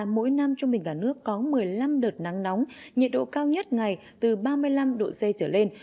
mỗi năm trung bình cả nước có một mươi năm đợt nắng nóng nhiệt độ cao nhất ngày từ ba mươi năm độ c trở lên